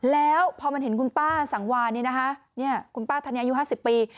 แล้วพอมันเห็นคุณป้าสังวานนี่นะคะคุณป้าธรรมนี้อายุ๕๐ปี